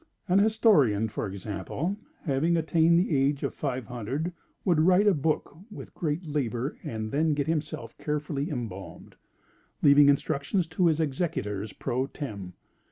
An historian, for example, having attained the age of five hundred, would write a book with great labor and then get himself carefully embalmed; leaving instructions to his executors pro tem.